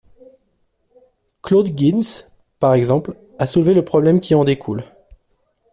Claude Gintz, par exemple, a soulevé le problème qui en découle.